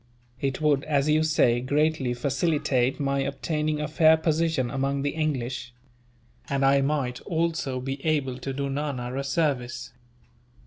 It would, as you say, greatly facilitate my obtaining a fair position among the English; and I might also be able to do Nana a service.